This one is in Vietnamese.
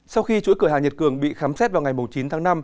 sau khi chuỗi cửa hàng nhật cường bị khám xét vào ngày chín tháng năm